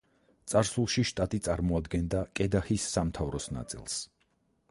წარსულში შტატი წარმოადგენდა კედაჰის სამთავროს ნაწილს.